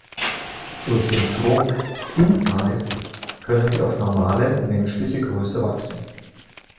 Durch den Trunk "King Size" können sie auf normale menschliche Größe wachsen.